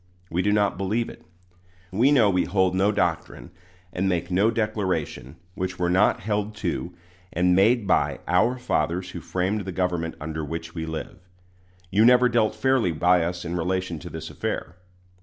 We do not believe it. We know we hold no doctrine, and make no declaration, which were not held to and made by "our fathers who framed the government under which we live." You never dealt fairly by us in relation to this affair.